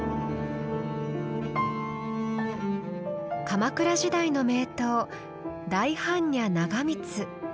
鎌倉時代の名刀「大般若長光」。